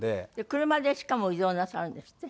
車でしかも移動なさるんですって？